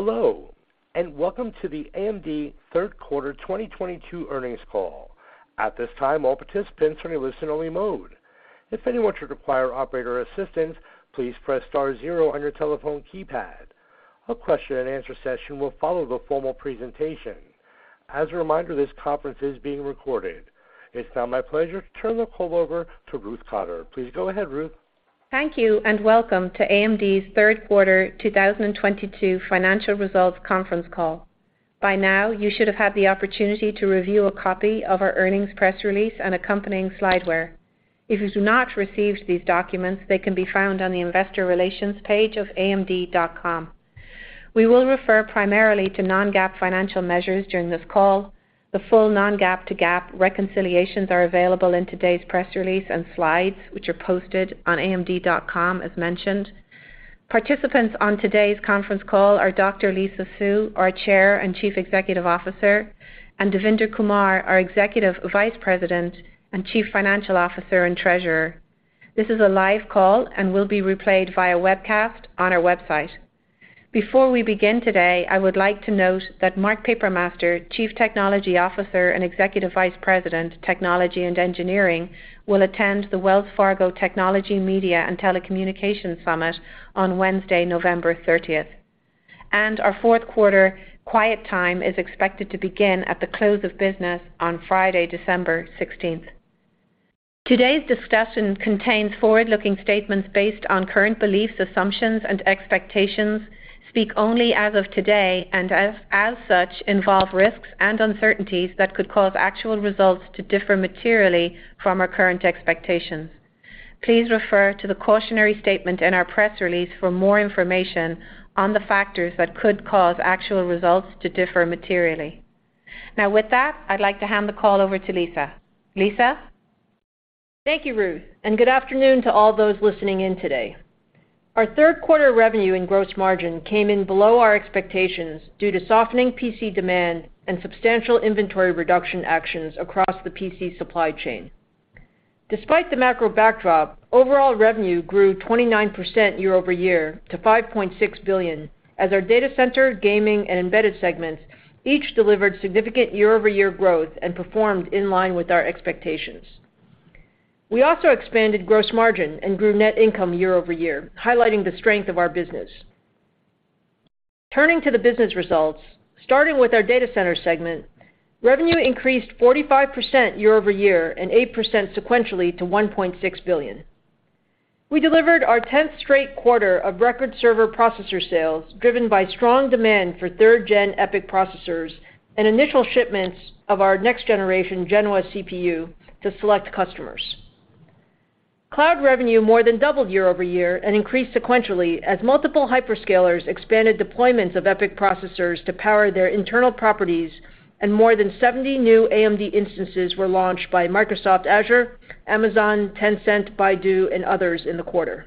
Hello, and welcome to the AMD third quarter 2022 earnings call. At this time, all participants are in listen-only mode. If anyone should require operator assistance, please press star zero on your telephone keypad. A question-and-answer session will follow the formal presentation. As a reminder, this conference is being recorded. It's now my pleasure to turn the call over to Ruth Cotter. Please go ahead, Ruth. Thank you, and welcome to AMD's third quarter 2022 financial results conference call. By now, you should have had the opportunity to review a copy of our earnings press release and accompanying slideware. If you've not received these documents, they can be found on the investor relations page of amd.com. We will refer primarily to non-GAAP financial measures during this call. The full non-GAAP to GAAP reconciliations are available in today's press release and slides, which are posted on amd.com, as mentioned. Participants on today's conference call are Dr. Lisa Su, our Chair and Chief Executive Officer, and Devinder Kumar, our Executive Vice President and Chief Financial Officer and Treasurer. This is a live call and will be replayed via webcast on our website. Before we begin today, I would like to note that Mark Papermaster, Chief Technology Officer and Executive Vice President, Technology and Engineering, will attend the Wells Fargo Technology Media and Telecommunications Summit on Wednesday, November 30th. Our fourth quarter quiet period is expected to begin at the close of business on Friday, December 16th. Today's discussion contains forward-looking statements based on current beliefs, assumptions, and expectations, speak only as of today, and as such, involve risks and uncertainties that could cause actual results to differ materially from our current expectations. Please refer to the cautionary statement in our press release for more information on the factors that could cause actual results to differ materially. Now with that, I'd like to hand the call over to Lisa. Lisa? Thank you, Ruth, and good afternoon to all those listening in today. Our third quarter revenue and gross margin came in below our expectations due to softening PC demand and substantial inventory reduction actions across the PC supply chain. Despite the macro backdrop, overall revenue grew 29% year-over-year to $5.6 billion as our data center, gaming, and embedded segments each delivered significant year-over-year growth and performed in line with our expectations. We also expanded gross margin and grew net income year-over-year, highlighting the strength of our business. Turning to the business results, starting with our data center segment, revenue increased 45% year-over-year and 8% sequentially to $1.6 billion. We delivered our tenth straight quarter of record server processor sales, driven by strong demand for 3rd-gen EPYC processors and initial shipments of our next-generation Genoa CPU to select customers. Cloud revenue more than doubled year-over-year and increased sequentially as multiple hyperscalers expanded deployments of EPYC processors to power their internal properties and more than 70 new AMD instances were launched by Microsoft Azure, Amazon, Tencent, Baidu, and others in the quarter.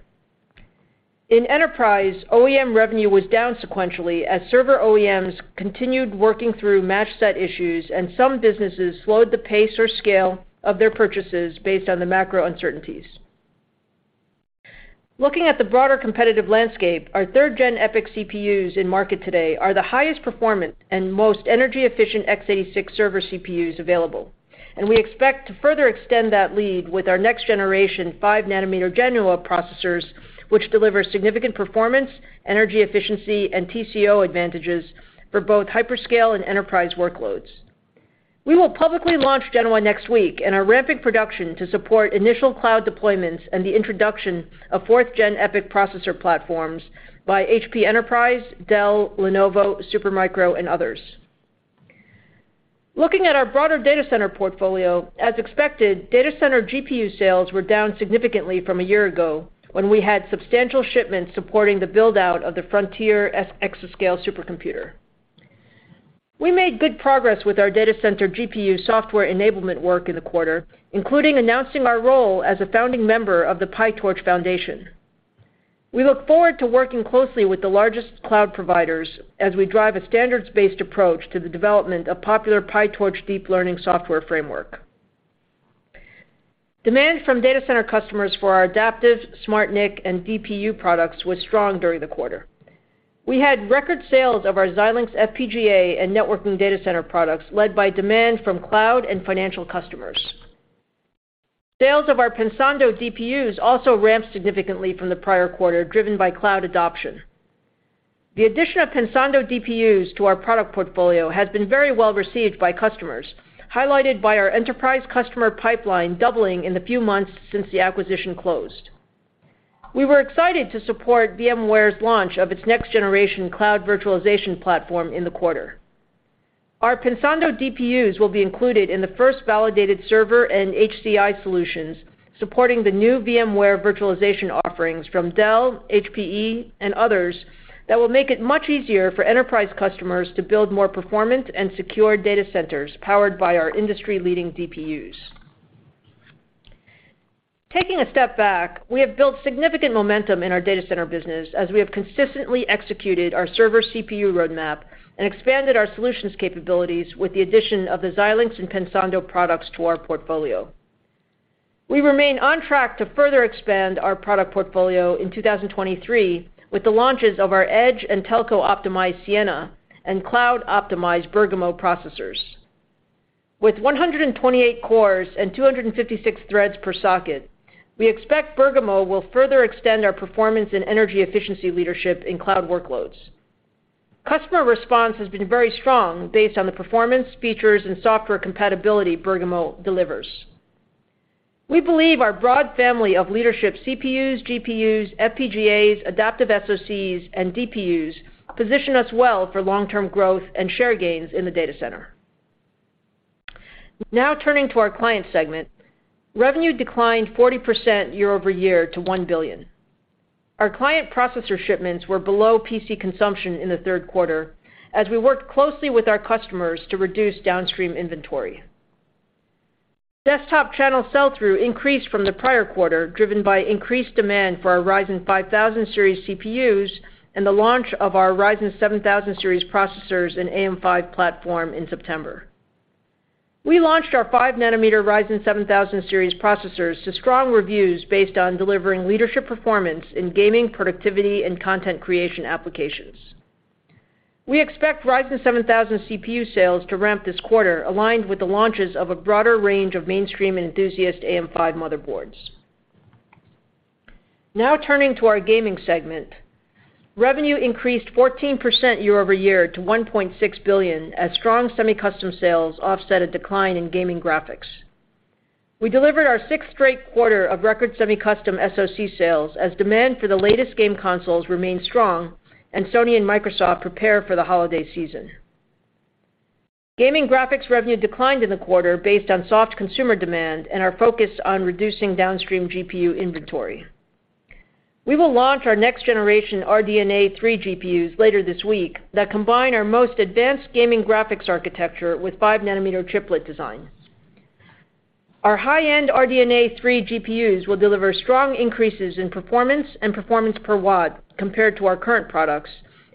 In enterprise, OEM revenue was down sequentially as server OEMs continued working through match set issues and some businesses slowed the pace or scale of their purchases based on the macro uncertainties. Looking at the broader competitive landscape, our 3rd-gen EPYC CPUs in market today are the highest performant and most energy efficient x86 server CPUs available. We expect to further extend that lead with our next generation five nanometer Genoa processors, which deliver significant performance, energy efficiency, and TCO advantages for both hyperscale and enterprise workloads. We will publicly launch Genoa next week and are ramping production to support initial cloud deployments and the introduction of 4th-gen EPYC processor platforms by Hewlett Packard Enterprise, Dell, Lenovo, Supermicro, and others. Looking at our broader data center portfolio, as expected, data center GPU sales were down significantly from a year ago when we had substantial shipments supporting the build-out of the Frontier exascale supercomputer. We made good progress with our data center GPU software enablement work in the quarter, including announcing our role as a founding member of the PyTorch Foundation. We look forward to working closely with the largest cloud providers as we drive a standards-based approach to the development of popular PyTorch deep learning software framework. Demand from data center customers for our adaptive SmartNIC and DPU products was strong during the quarter. We had record sales of our Xilinx FPGA and networking data center products, led by demand from cloud and financial customers. Sales of our Pensando DPUs also ramped significantly from the prior quarter, driven by cloud adoption. The addition of Pensando DPUs to our product portfolio has been very well-received by customers, highlighted by our enterprise customer pipeline doubling in the few months since the acquisition closed. We were excited to support VMware's launch of its next-generation cloud virtualization platform in the quarter. Our Pensando DPUs will be included in the first validated server and HCI solutions supporting the new VMware virtualization offerings from Dell, HPE, and others that will make it much easier for enterprise customers to build more performant and secure data centers powered by our industry-leading DPUs. Taking a step back, we have built significant momentum in our data center business as we have consistently executed our server CPU roadmap and expanded our solutions capabilities with the addition of the Xilinx and Pensando products to our portfolio. We remain on track to further expand our product portfolio in 2023 with the launches of our edge and telco optimized Siena and cloud optimized Bergamo processors. With 128 cores and 256 threads per socket, we expect Bergamo will further extend our performance and energy efficiency leadership in cloud workloads. Customer response has been very strong based on the performance, features, and software compatibility Bergamo delivers. We believe our broad family of leadership CPUs, GPUs, FPGAs, adaptive SoCs, and DPUs position us well for long-term growth and share gains in the data center. Now turning to our client segment. Revenue declined 40% year-over-year to $1 billion. Our client processor shipments were below PC consumption in the third quarter as we worked closely with our customers to reduce downstream inventory. Desktop channel sell-through increased from the prior quarter, driven by increased demand for our Ryzen 5000 Series CPUs and the launch of our Ryzen 7000 Series processors and AM5 platform in September. We launched our 5-nanometer Ryzen 7000 Series processors to strong reviews based on delivering leadership performance in gaming, productivity and content creation applications. We expect Ryzen 7000 CPU sales to ramp this quarter, aligned with the launches of a broader range of mainstream and enthusiast AM5 motherboards. Now turning to our gaming segment. Revenue increased 14% year-over-year to $1.6 billion as strong semi-custom sales offset a decline in gaming graphics. We delivered our 6th straight quarter of record semi-custom SoC sales as demand for the latest game consoles remained strong and Sony and Microsoft prepare for the holiday season. Gaming graphics revenue declined in the quarter based on soft consumer demand and our focus on reducing downstream GPU inventory. We will launch our next generation RDNA 3 GPUs later this week that combine our most advanced gaming graphics architecture with 5-nanometer chiplet designs. Our high-end RDNA 3 GPUs will deliver strong increases in performance and performance per watt compared to our current products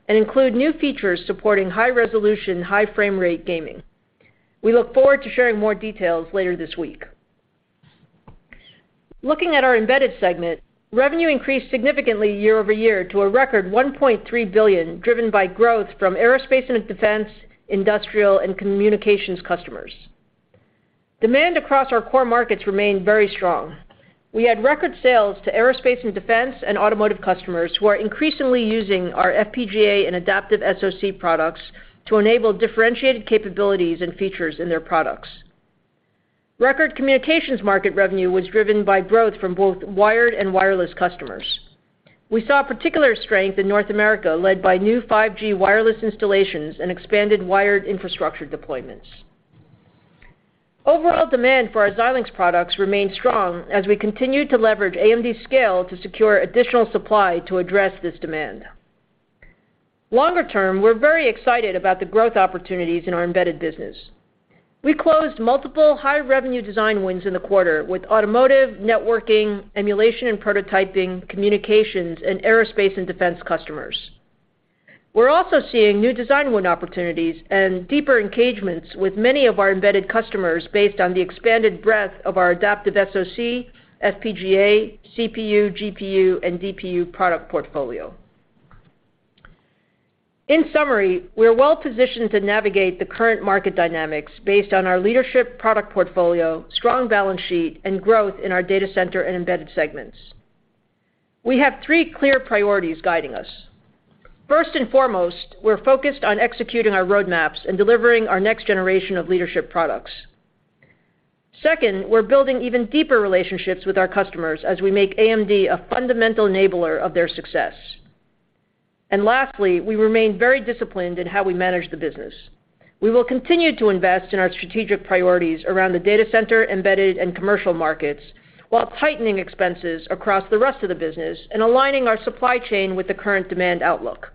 and include new features supporting high resolution, high frame rate gaming. We look forward to sharing more details later this week. Looking at our embedded segment, revenue increased significantly year over year to a record $1.3 billion, driven by growth from aerospace and defense, industrial and communications customers. Demand across our core markets remained very strong. We had record sales to aerospace and defense and automotive customers who are increasingly using our FPGA and adaptive SoC products to enable differentiated capabilities and features in their products. Record communications market revenue was driven by growth from both wired and wireless customers. We saw particular strength in North America, led by new 5G wireless installations and expanded wired infrastructure deployments. Overall demand for our Xilinx products remained strong as we continued to leverage AMD Scale to secure additional supply to address this demand. Longer term, we're very excited about the growth opportunities in our embedded business. We closed multiple high revenue design wins in the quarter with automotive, networking, emulation and prototyping, communications, and aerospace and defense customers. We're also seeing new design win opportunities and deeper engagements with many of our embedded customers based on the expanded breadth of our adaptive SoC, FPGA, CPU, GPU, and DPU product portfolio. In summary, we are well positioned to navigate the current market dynamics based on our leadership product portfolio, strong balance sheet, and growth in our data center and embedded segments. We have three clear priorities guiding us. First and foremost, we're focused on executing our roadmaps and delivering our next generation of leadership products. Second, we're building even deeper relationships with our customers as we make AMD a fundamental enabler of their success. Lastly, we remain very disciplined in how we manage the business. We will continue to invest in our strategic priorities around the data center, embedded, and commercial markets, while tightening expenses across the rest of the business and aligning our supply chain with the current demand outlook.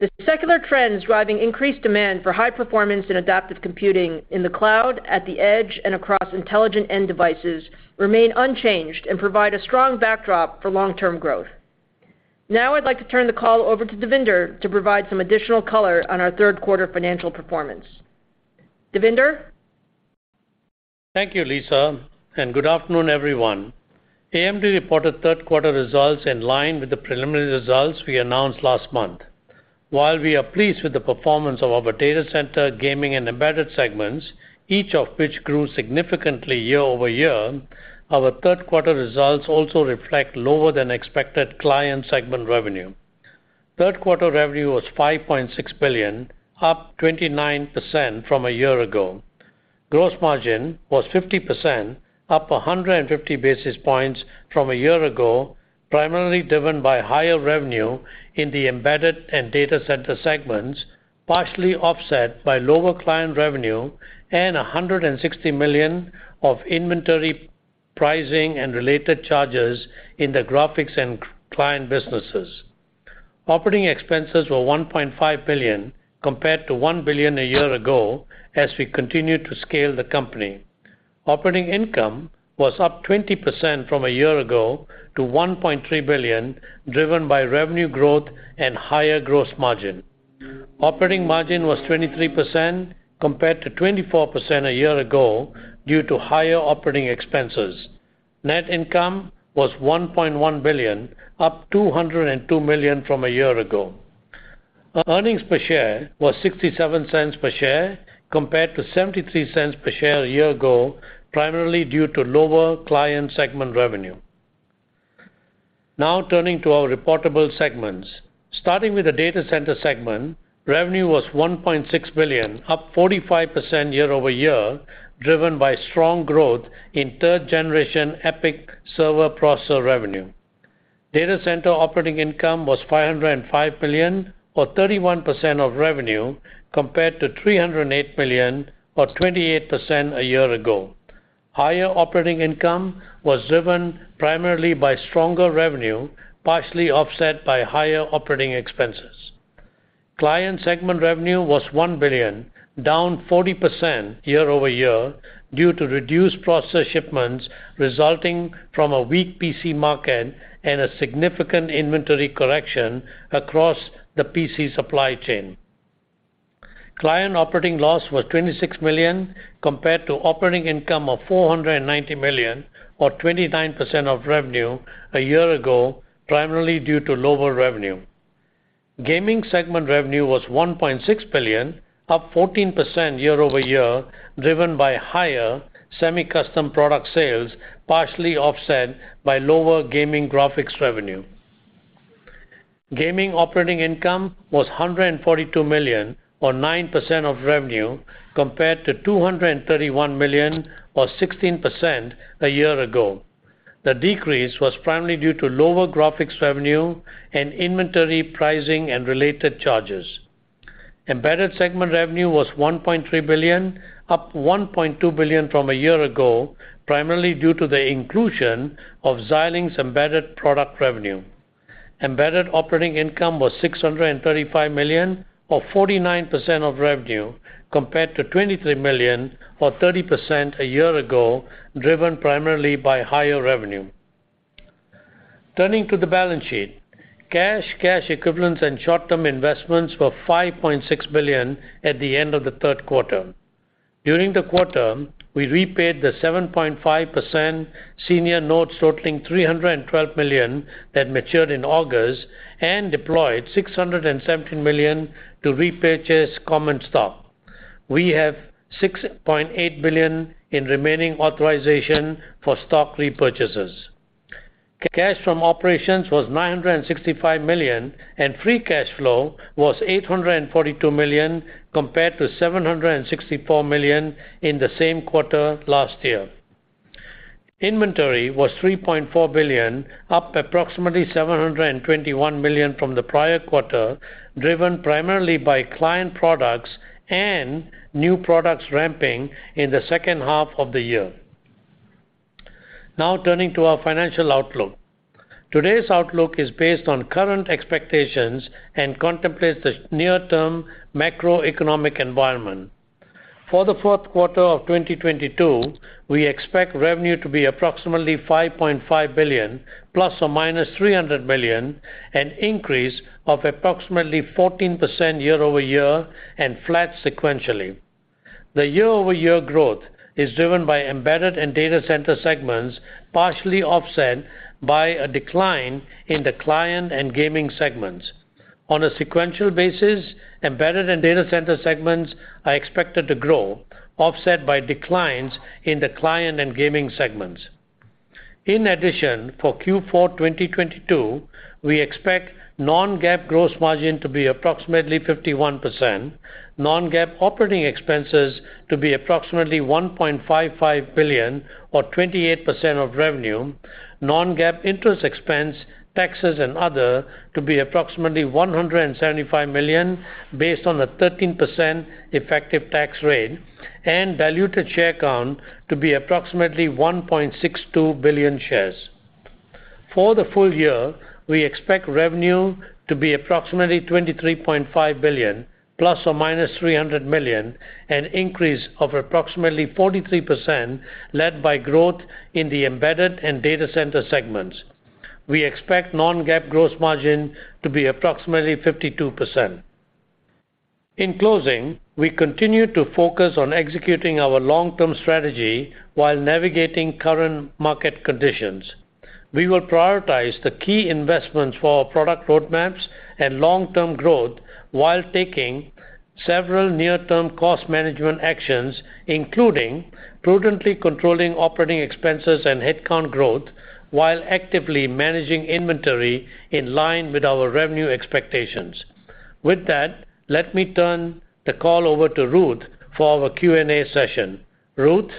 The secular trends driving increased demand for high performance and adaptive computing in the cloud, at the edge, and across intelligent end devices remain unchanged and provide a strong backdrop for long-term growth. Now I'd like to turn the call over to Devinder to provide some additional color on our third quarter financial performance. Devinder? Thank you, Lisa, and good afternoon, everyone. AMD reported third quarter results in line with the preliminary results we announced last month. While we are pleased with the performance of our data center, gaming, and embedded segments, each of which grew significantly year over year, our third quarter results also reflect lower than expected client segment revenue. Third quarter revenue was $5.6 billion, up 29% from a year ago. Gross margin was 50%, up 150 basis points from a year ago, primarily driven by higher revenue in the embedded and data center segments, partially offset by lower client revenue and $160 million of inventory pricing and related charges in the graphics and client businesses. Operating expenses were $1.5 billion, compared to $1 billion a year ago, as we continued to scale the company. Operating income was up 20% from a year ago to $1.3 billion, driven by revenue growth and higher gross margin. Operating margin was 23% compared to 24% a year ago due to higher operating expenses. Net income was $1.1 billion, up $202 million from a year ago. Earnings per share was $0.67 per share compared to $0.73 per share a year ago, primarily due to lower client segment revenue. Now turning to our reportable segments. Starting with the data center segment, revenue was $1.6 billion, up 45% year-over-year, driven by strong growth in third generation EPYC server processor revenue. Data center operating income was $505 million or 31% of revenue, compared to $308 million or 28% a year ago. Higher operating income was driven primarily by stronger revenue, partially offset by higher operating expenses. Client segment revenue was $1 billion, down 40% year-over-year due to reduced processor shipments resulting from a weak PC market and a significant inventory correction across the PC supply chain. Client operating loss was $26 million compared to operating income of $490 million or 29% of revenue a year ago, primarily due to lower revenue. Gaming segment revenue was $1.6 billion, up 14% year-over-year, driven by higher semi-custom product sales, partially offset by lower gaming graphics revenue. Gaming operating income was $142 million or 9% of revenue, compared to $231 million or 16% a year ago. The decrease was primarily due to lower graphics revenue and inventory pricing and related charges. Embedded segment revenue was $1.3 billion, up $1.2 billion from a year ago, primarily due to the inclusion of Xilinx embedded product revenue. Embedded operating income was $635 million or 49% of revenue, compared to $23 million or 30% a year ago, driven primarily by higher revenue. Turning to the balance sheet. Cash, cash equivalents, and short-term investments were $5.6 billion at the end of the third quarter. During the quarter, we repaid the 7.5% senior notes totaling $312 million that matured in August and deployed $617 million to repurchase common stock. We have $6.8 billion in remaining authorization for stock repurchases. Cash from operations was $965 million, and free cash flow was $842 million compared to $764 million in the same quarter last year. Inventory was $3.4 billion, up approximately $721 million from the prior quarter, driven primarily by client products and new products ramping in the second half of the year. Now turning to our financial outlook. Today's outlook is based on current expectations and contemplates the near-term macroeconomic environment. For the fourth quarter of 2022, we expect revenue to be approximately $5.5 billion ± $300 million, an increase of approximately 14% year-over-year and flat sequentially. The year-over-year growth is driven by embedded and data center segments, partially offset by a decline in the client and gaming segments. On a sequential basis, embedded and data center segments are expected to grow, offset by declines in the client and gaming segments. In addition, for Q4, 2022, we expect non-GAAP gross margin to be approximately 51%, non-GAAP operating expenses to be approximately $1.55 billion or 28% of revenue, non-GAAP interest expense, taxes, and other to be approximately $175 million based on the 13% effective tax rate, and diluted share count to be approximately 1.62 billion shares. For the full year, we expect revenue to be approximately $23.5 billion ±$300 million, an increase of approximately 43%, led by growth in the embedded and data center segments. We expect non-GAAP gross margin to be approximately 52%. In closing, we continue to focus on executing our long-term strategy while navigating current market conditions. We will prioritize the key investments for our product roadmaps and long-term growth while taking several near-term cost management actions, including prudently controlling operating expenses and headcount growth while actively managing inventory in line with our revenue expectations. With that, let me turn the call over to Ruth for our Q&A session. Ruth?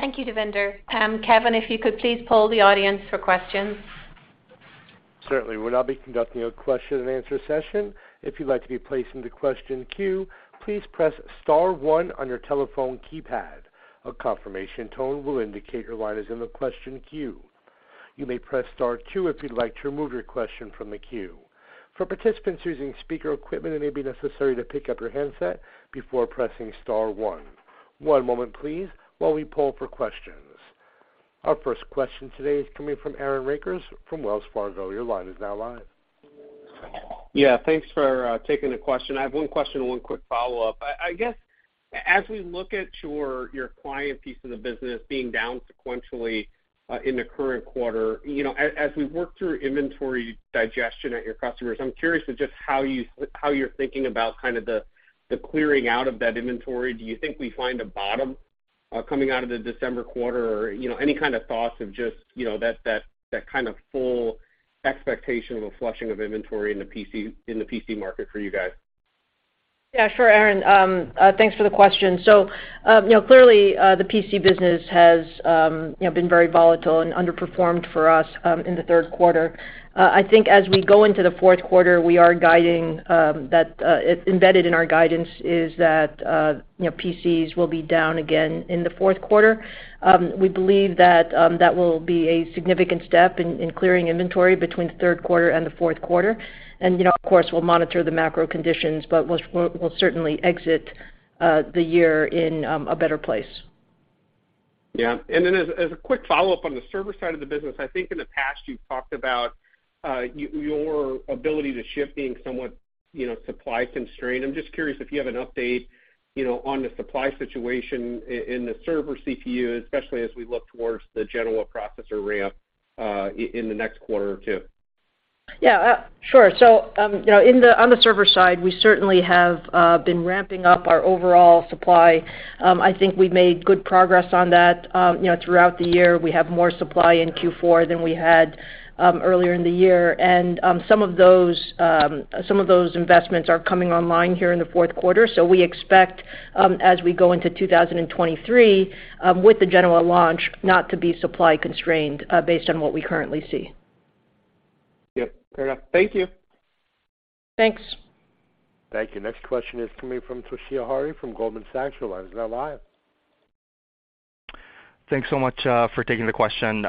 Thank you, Devinder. Kevin, if you could please poll the audience for questions. Certainly. We'll now be conducting a question and answer session. If you'd like to be placed into question queue, please press star one on your telephone keypad. A confirmation tone will indicate your line is in the question queue. You may press star two if you'd like to remove your question from the queue. For participants using speaker equipment, it may be necessary to pick up your handset before pressing star one. One moment please while we poll for questions. Our first question today is coming from Aaron Rakers from Wells Fargo. Your line is now live. Yeah, thanks for taking the question. I have one question and one quick follow-up. I guess as we look at your client piece of the business being down sequentially in the current quarter, you know, as we work through inventory digestion at your customers, I'm curious to just how you're thinking about kind of the clearing out of that inventory. Do you think we find a bottom coming out of the December quarter? Or, you know, any kind of thoughts of just, you know, that kind of full expectation of a flushing of inventory in the PC market for you guys? Yeah, sure, Aaron. Thanks for the question. You know, clearly, the PC business has, you know, been very volatile and underperformed for us in the third quarter. I think as we go into the fourth quarter, we are guiding that embedded in our guidance is that, you know, PCs will be down again in the fourth quarter. We believe that will be a significant step in clearing inventory between the third quarter and the fourth quarter. You know, of course, we'll monitor the macro conditions, but we'll certainly exit the year in a better place. Yeah. As a quick follow-up on the server side of the business, I think in the past you've talked about your ability to ship being somewhat, you know, supply constrained. I'm just curious if you have an update, you know, on the supply situation in the server CPU, especially as we look towards the Genoa processor ramp in the next quarter or two. Yeah. Sure. You know, on the server side, we certainly have been ramping up our overall supply. I think we've made good progress on that, you know, throughout the year. We have more supply in Q4 than we had earlier in the year. Some of those investments are coming online here in the fourth quarter. We expect, as we go into 2023, with the Genoa launch, not to be supply constrained, based on what we currently see. Yep. Fair enough. Thank you. Thanks. Thank you. Next question is coming from Toshiya Hari from Goldman Sachs. Your line is now live. Thanks so much for taking the question.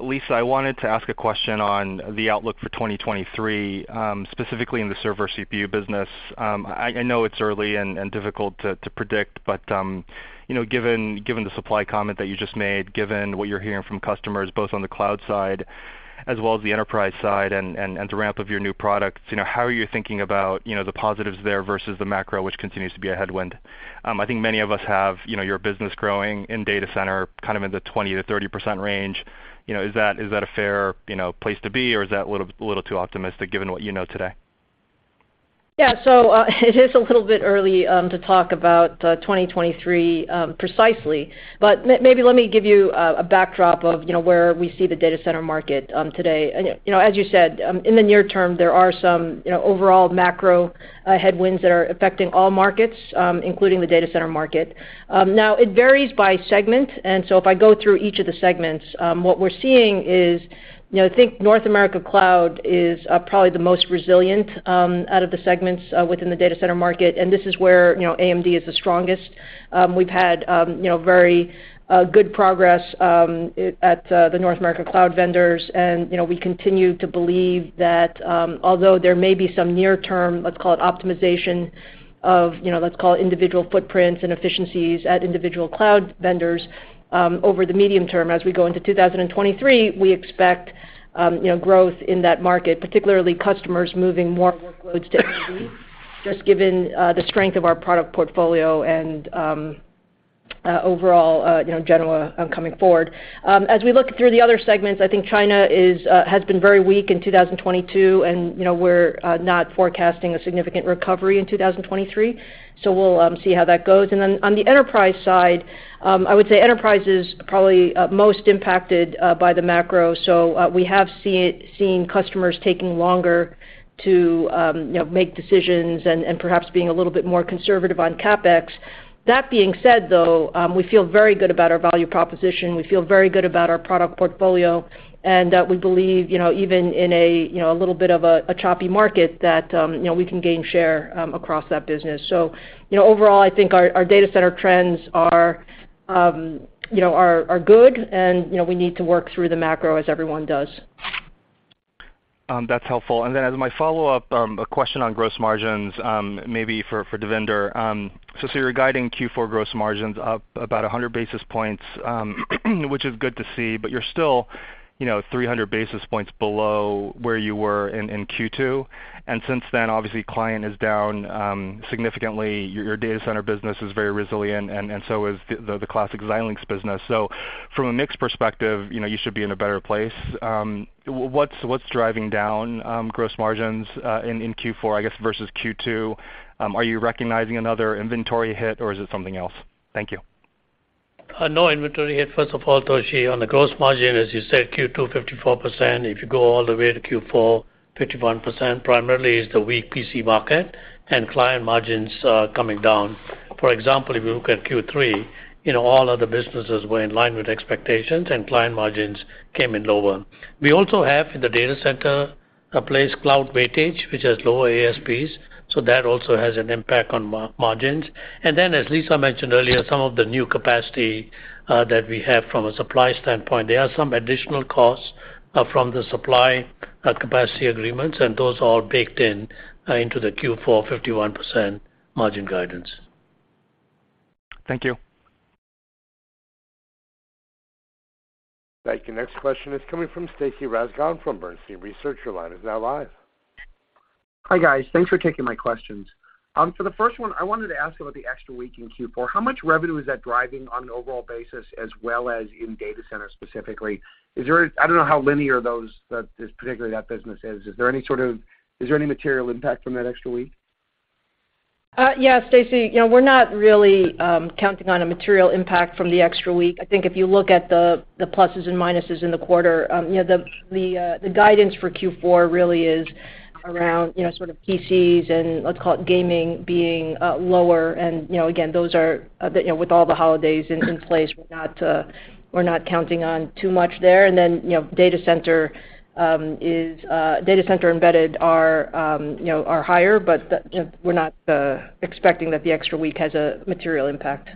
Lisa, I wanted to ask a question on the outlook for 2023, specifically in the server CPU business. I know it's early and difficult to predict, but you know, given the supply comment that you just made, given what you're hearing from customers both on the cloud side as well as the enterprise side and the ramp of your new products, you know, how are you thinking about the positives there versus the macro, which continues to be a headwind? I think many of us have your business growing in data center kind of in the 20%-30% range. You know, is that a fair, you know, place to be, or is that a little too optimistic given what you know today? Yeah. So, it is a little bit early to talk about 2023 precisely, but maybe let me give you a backdrop of, you know, where we see the data center market today. You know, as you said, in the near term, there are some, you know, overall macro headwinds that are affecting all markets, including the data center market. Now it varies by segment, and so if I go through each of the segments, what we're seeing is, you know, I think North America Cloud is probably the most resilient out of the segments within the data center market, and this is where, you know, AMD is the strongest. We've had, you know, very good progress at the North America Cloud vendors. You know, we continue to believe that, although there may be some near-term, let's call it optimization of, you know, let's call it individual footprints and efficiencies at individual cloud vendors, over the medium term, as we go into 2023, we expect, you know, growth in that market, particularly customers moving more workloads to AMD, just given the strength of our product portfolio and, you know, Genoa coming forward. As we look through the other segments, I think China has been very weak in 2022, and, you know, we're not forecasting a significant recovery in 2023, so we'll see how that goes. On the enterprise side, I would say enterprise is probably most impacted by the macro, so we have seen customers taking longer to, you know, make decisions and perhaps being a little bit more conservative on CapEx. That being said, though, we feel very good about our value proposition. We feel very good about our product portfolio, and we believe, you know, even in a little bit of a choppy market that, you know, we can gain share across that business. Overall, I think our data center trends are good and we need to work through the macro as everyone does. That's helpful. Then as my follow-up, a question on gross margins, maybe for Devinder. You're guiding Q4 gross margins up about 100 basis points, which is good to see, but you're still, you know, 300 basis points below where you were in Q2. Since then, obviously, client is down significantly. Your data center business is very resilient and so is the classic Xilinx business. From a mix perspective, you know, you should be in a better place. What's driving down gross margins in Q4, I guess, versus Q2? Are you recognizing another inventory hit, or is it something else? Thank you. No inventory hit, first of all, Toshiya. On the gross margin, as you said, Q2 54%. If you go all the way to Q4, 51%. Primarily is the weak PC market and client margins coming down. For example, if you look at Q3, you know, all of the businesses were in line with expectations and client margins came in lower. We also have in the data center hyperscale cloud weighting, which has lower ASPs, so that also has an impact on margins. As Lisa mentioned earlier, some of the new capacity that we have from a supply standpoint, there are some additional costs from the supply capacity agreements, and those are all baked into the Q4 51% margin guidance. Thank you. Thank you. Next question is coming from Stacy Rasgon from Bernstein Research. Your line is now live. Hi, guys. Thanks for taking my questions. For the first one, I wanted to ask about the extra week in Q4. How much revenue is that driving on an overall basis, as well as in data center specifically? I don't know how linear that business is, particularly. Is there any material impact from that extra week? Yeah, Stacy, you know, we're not really counting on a material impact from the extra week. I think if you look at the pluses and minuses in the quarter, you know, the guidance for Q4 really is around, you know, sort of PCs and, let's call it, gaming being lower. You know, again, those are, you know, with all the holidays in place, we're not counting on too much there. You know, data center and embedded are, you know, higher, but, you know, we're not expecting that the extra week has a material impact.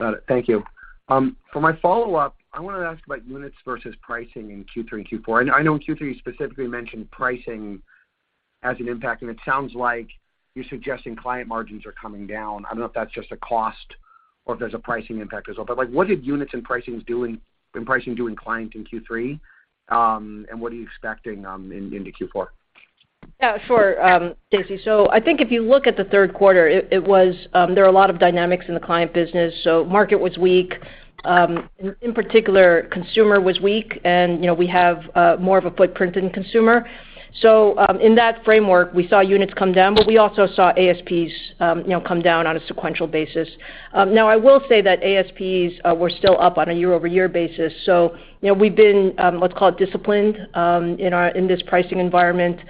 Got it. Thank you. For my follow-up, I wanna ask about units versus pricing in Q3 and Q4. I know in Q3, you specifically mentioned pricing as an impact, and it sounds like you're suggesting client margins are coming down. I don't know if that's just a cost or if there's a pricing impact as well. Like, what did units and pricing do in client in Q3, and what are you expecting into Q4? Yeah, sure, Stacy. I think if you look at the third quarter, it was. There were a lot of dynamics in the client business, so market was weak. In particular, consumer was weak, and, you know, we have more of a footprint in consumer. In that framework, we saw units come down, but we also saw ASPs, you know, come down on a sequential basis. Now I will say that ASPs were still up on a year-over-year basis, so, you know, we've been, let's call it disciplined in this pricing environment.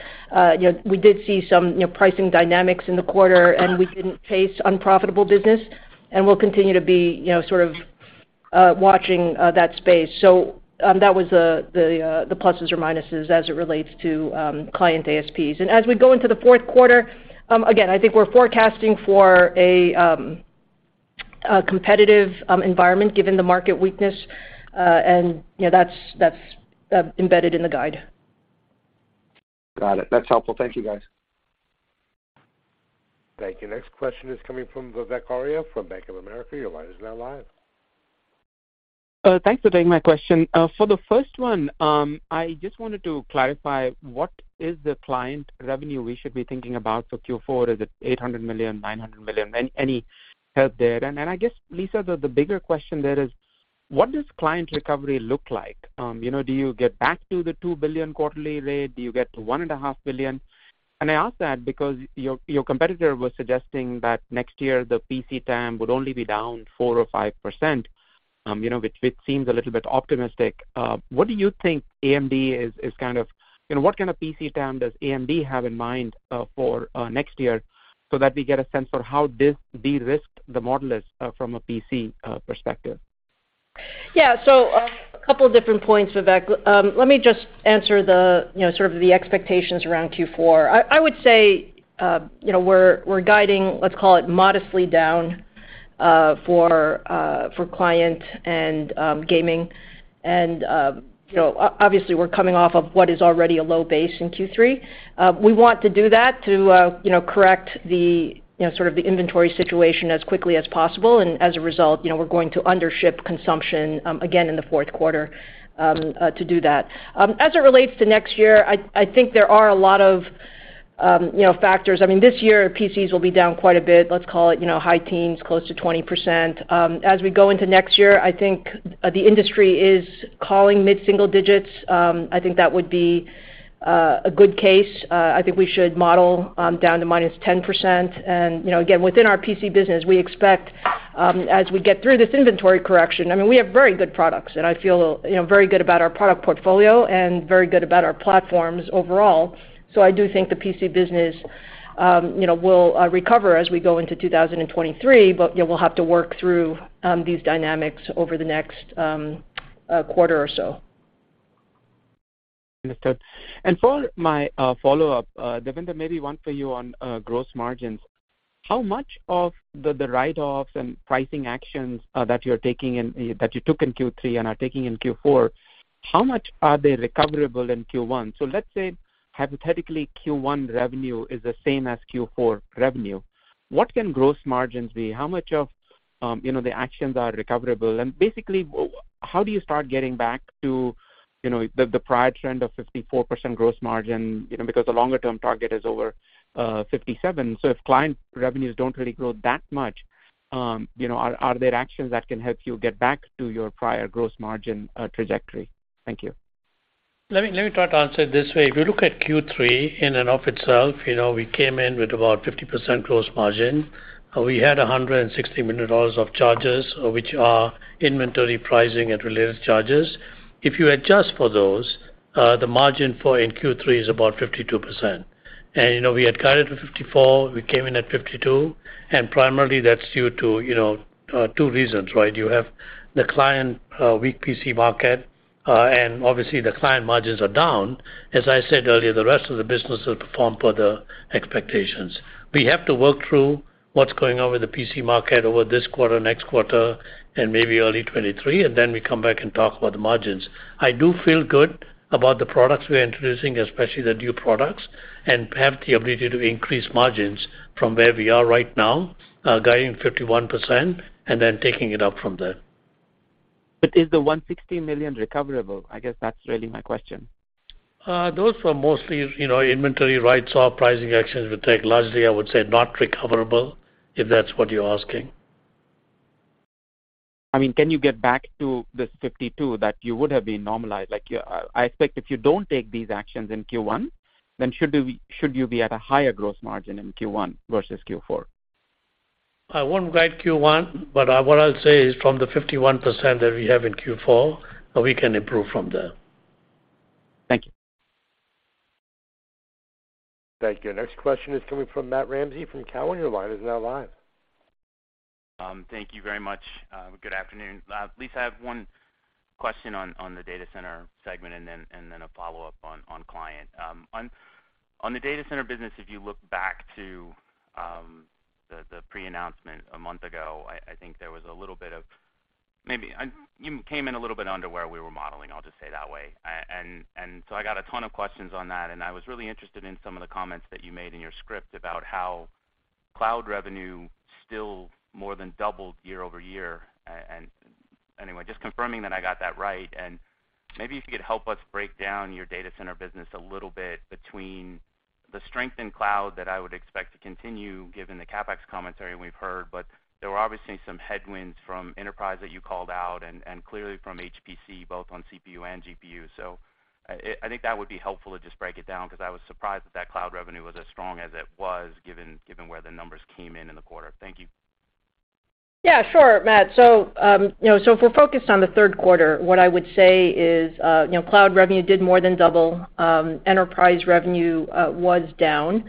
You know, we did see some, you know, pricing dynamics in the quarter, and we didn't chase unprofitable business, and we'll continue to be, you know, sort of watching that space. that was the pluses or minuses as it relates to client ASPs. As we go into the fourth quarter, again, I think we're forecasting for a competitive environment given the market weakness, and you know, that's embedded in the guide. Got it. That's helpful. Thank you, guys. Thank you. Next question is coming from Vivek Arya from Bank of America. Your line is now live. Thanks for taking my question. For the first one, I just wanted to clarify, what is the client revenue we should be thinking about for Q4? Is it $800 million, $900 million? Any help there? Then I guess, Lisa, the bigger question there is, what does client recovery look like? You know, do you get back to the $2 billion quarterly rate? Do you get to $1.5 billion? I ask that because your competitor was suggesting that next year the PC TAM would only be down 4% or 5%, you know, which seems a little bit optimistic. What do you think AMD is kind of... You know, what kind of PC TAM does AMD have in mind for next year so that we get a sense for how de-risked the model is from a PC perspective? Yeah. A couple different points, Vivek. Let me just answer the, you know, sort of the expectations around Q4. I would say, you know, we're guiding, let's call it modestly down for client and gaming and, you know, obviously we're coming off of what is already a low base in Q3. We want to do that to, you know, correct the, you know, sort of the inventory situation as quickly as possible, and as a result, you know, we're going to undership consumption again in the fourth quarter to do that. As it relates to next year, I think there are a lot of factors. I mean, this year PCs will be down quite a bit. Let's call it high teens, close to 20%. As we go into next year, I think the industry is calling mid-single digits. I think that would be a good case. I think we should model down to -10%. You know, again, within our PC business, we expect as we get through this inventory correction, I mean, we have very good products, and I feel you know very good about our product portfolio and very good about our platforms overall. I do think the PC business you know will recover as we go into 2023, but you know we'll have to work through these dynamics over the next quarter or so. Understood. For my follow-up, Devinder, maybe one for you on gross margins. How much of the write-offs and pricing actions that you're taking and that you took in Q3 and are taking in Q4, how much are they recoverable in Q1? Let's say hypothetically Q1 revenue is the same as Q4 revenue. What can gross margins be? How much of the actions are recoverable? Basically, how do you start getting back to the prior trend of 54% gross margin? You know, because the longer term target is over 57%. If client revenues don't really grow that much, you know, are there actions that can help you get back to your prior gross margin trajectory? Thank you. Let me try to answer it this way. If you look at Q3 in and of itself, you know, we came in with about 50% gross margin. We had $160 million of charges, which are inventory pricing and related charges. If you adjust for those, the margin in Q3 is about 52%. You know, we had guided to 54%, we came in at 52%, and primarily that's due to, you know, two reasons, right? You have the client weak PC market, and obviously the client margins are down. As I said earlier, the rest of the business will perform per the expectations. We have to work through what's going on with the PC market over this quarter, next quarter, and maybe early 2023, and then we come back and talk about the margins. I do feel good about the products we're introducing, especially the new products, and have the ability to increase margins from where we are right now, guiding 51% and then taking it up from there. Is the $160 million recoverable? I guess that's really my question. Those were mostly, you know, inventory write-off pricing actions we take. Largely, I would say not recoverable, if that's what you're asking. I mean, can you get back to this 52% that you would have been normalized? Like, yeah, I expect if you don't take these actions in Q1, then should you be at a higher gross margin in Q1 versus Q4? I won't guide Q1, but what I'll say is from the 51% that we have in Q4, we can improve from there. Thank you. Thank you. Next question is coming from Matt Ramsay from Cowen. Your line is now live. Thank you very much. Good afternoon. Lisa, I have one question on the data center segment and then a follow-up on client. On the data center business, if you look back to the pre-announcement a month ago, I think there was a little bit of maybe. You came in a little bit under where we were modeling. I'll just say it that way. I got a ton of questions on that, and I was really interested in some of the comments that you made in your script about how cloud revenue still more than doubled year-over-year. Anyway, just confirming that I got that right. Maybe if you could help us break down your data center business a little bit between the strength in cloud that I would expect to continue given the CapEx commentary we've heard. There were obviously some headwinds from enterprise that you called out and clearly from HPC, both on CPU and GPU. I think that would be helpful to just break it down because I was surprised that cloud revenue was as strong as it was given where the numbers came in in the quarter. Thank you. Yeah, sure, Matt. If we're focused on the third quarter, what I would say is you know cloud revenue did more than double. Enterprise revenue was down.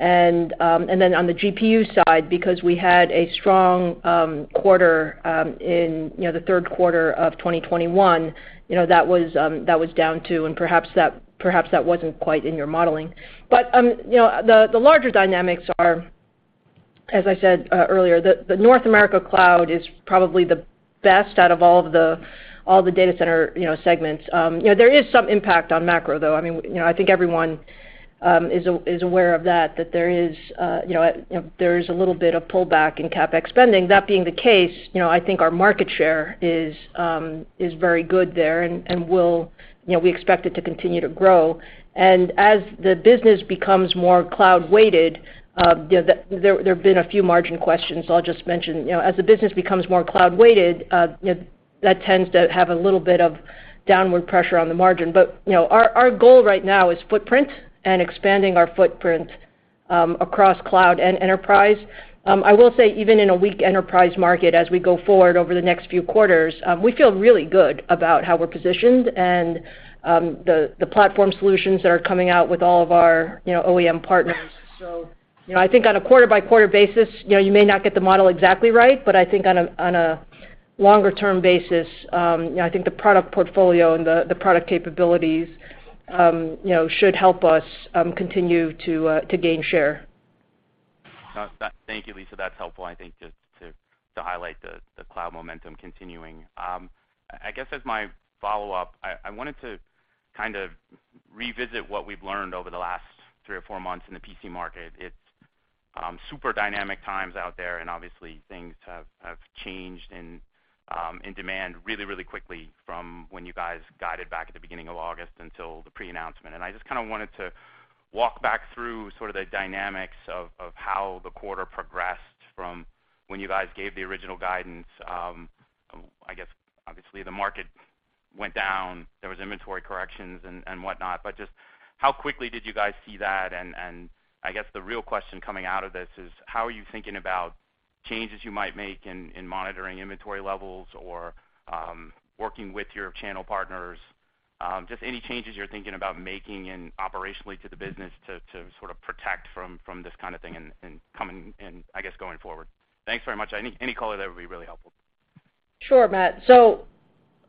Then on the GPU side, because we had a strong quarter in you know the third quarter of 2021, you know that was down too, and perhaps that wasn't quite in your modeling. You know the larger dynamics are, as I said earlier, the North America cloud is probably the best out of all the data center you know segments. You know there is some impact on macro though. I mean, you know, I think everyone is aware of that there is a little bit of pullback in CapEx spending. That being the case, you know, I think our market share is very good there and will. You know, we expect it to continue to grow. As the business becomes more cloud-weighted, you know, there have been a few margin questions, so I'll just mention. You know, as the business becomes more cloud-weighted, you know, that tends to have a little bit of downward pressure on the margin. You know, our goal right now is footprint and expanding our footprint across cloud and enterprise. I will say, even in a weak enterprise market as we go forward over the next few quarters, we feel really good about how we're positioned and the platform solutions that are coming out with all of our, you know, OEM partners. You know, I think on a quarter-by-quarter basis, you know, you may not get the model exactly right, but I think on a longer-term basis, you know, I think the product portfolio and the product capabilities, you know, should help us continue to gain share. Thank you, Lisa. That's helpful, I think, just to highlight the cloud momentum continuing. I guess as my follow-up, I wanted to kind of revisit what we've learned over the last three or four months in the PC market. It's super dynamic times out there and obviously things have changed in demand really quickly from when you guys guided back at the beginning of August until the pre-announcement. I just kinda wanted to walk back through sort of the dynamics of how the quarter progressed from when you guys gave the original guidance. I guess obviously the market went down, there was inventory corrections and whatnot, but just how quickly did you guys see that? I guess the real question coming out of this is how are you thinking about changes you might make in monitoring inventory levels or working with your channel partners? Just any changes you're thinking about making and operationally to the business to sort of protect from this kind of thing and I guess going forward. Thanks very much. Any color there would be really helpful. Sure, Matt.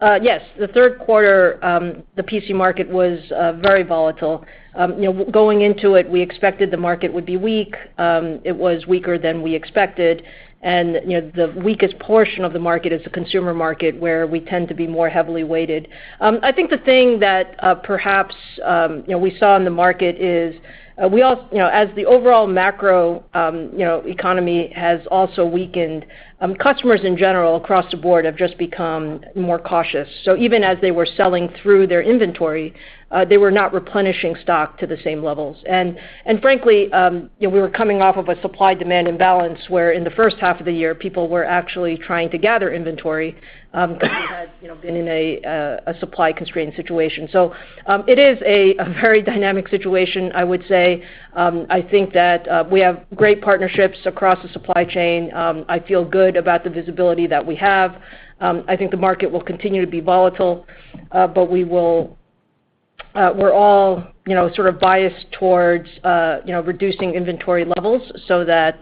Yes, the third quarter, the PC market was very volatile. You know, going into it, we expected the market would be weak. It was weaker than we expected. You know, the weakest portion of the market is the consumer market, where we tend to be more heavily weighted. I think the thing that perhaps you know we saw in the market is. You know, as the overall macro economy has also weakened, customers in general across the board have just become more cautious. Even as they were selling through their inventory, they were not replenishing stock to the same levels. Frankly, you know, we were coming off of a supply-demand imbalance, where in the first half of the year, people were actually trying to gather inventory, because we had, you know, been in a supply constraint situation. It is a very dynamic situation, I would say. I think that we have great partnerships across the supply chain. I feel good about the visibility that we have. I think the market will continue to be volatile, but we're all, you know, sort of biased towards, you know, reducing inventory levels so that,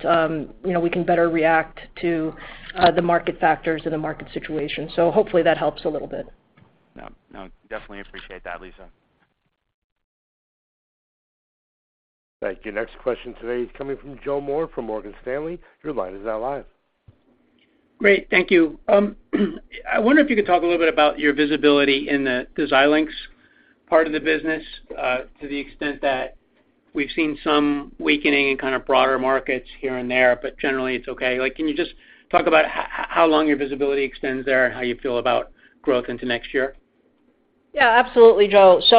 you know, we can better react to the market factors and the market situation. Hopefully that helps a little bit. No, no, definitely appreciate that, Lisa. Thank you. Next question today is coming from Joe Moore from Morgan Stanley. Your line is now live. Great. Thank you. I wonder if you could talk a little bit about your visibility in the Xilinx. Part of the business, to the extent that we've seen some weakening in kind of broader markets here and there, but generally it's okay. Like, can you just talk about how long your visibility extends there and how you feel about growth into next year? Yeah, absolutely, Joe. You